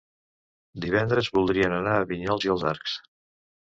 Divendres voldrien anar a Vinyols i els Arcs.